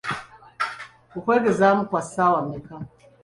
Okwegezaamu kwa saawa mekka.?